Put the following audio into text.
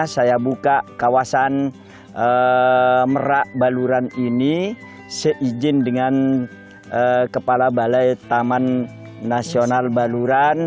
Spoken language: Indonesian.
saya buka kawasan merak baluran ini seizin dengan kepala balai taman nasional baluran